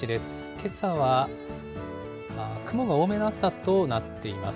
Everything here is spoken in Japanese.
けさは雲が多めの朝となっています。